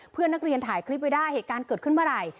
เพื่อนนักเรียนถ่ายคลิปไว้ได้เหตุการณ์เกิดขึ้นเมื่อไหร่